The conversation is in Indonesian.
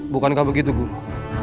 bukankah begitu guru